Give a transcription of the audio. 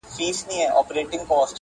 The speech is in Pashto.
د مېږیانو کور له غمه نه خلاصېږي،،!